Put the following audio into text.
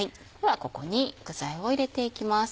ここに具材を入れていきます。